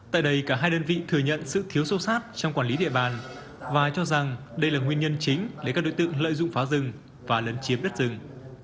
tại đây cả hai đơn vị thừa nhận sự thiếu sâu sát trong quản lý địa bàn và cho rằng đây là nguyên nhân chính để các đối tượng lợi dụng phá rừng và lấn chiếm đất rừng